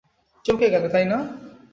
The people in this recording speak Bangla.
চমকে গেলে, তাই না?